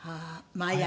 毎朝？